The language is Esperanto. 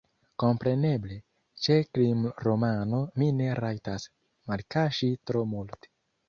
Kompreneble, ĉe krimromano mi ne rajtas malkaŝi tro multe.